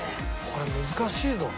これ難しいぞ。